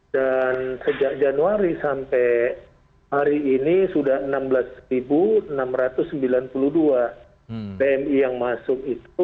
dan sejak januari sampai hari ini sudah enam belas enam ratus sembilan puluh dua pmi yang masuk itu